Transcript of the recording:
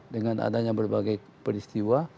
dengan adanya berbagai peristiwa